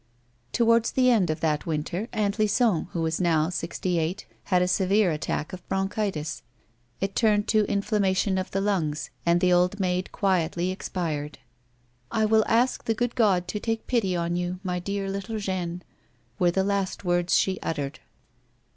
Towards the end of that winter Aunt Lison, who was now sixty eight, had a severe attack of bronchitis. It turned to inflammation of the lungs, and the old maid quietly ex pired. " I will ask the good God to take pity on you, my poor little Jeanne," were the last words she uttered.